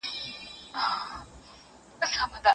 یوه بل ته یې د زړه وکړې خبري